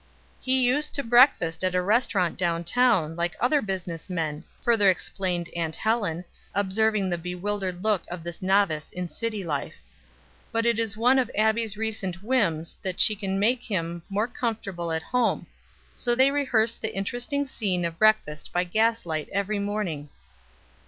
"He used to breakfast at a restaurant down town, like other business men," further explained Aunt Helen, observing the bewildered look of this novice in city life. "But it is one of Abbie's recent whims that she can make him more comfortable at home, so they rehearse the interesting scene of breakfast by gas light every morning."